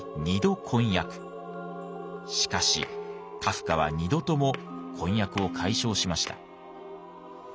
しかしカフカは２度とも婚約を解消しました。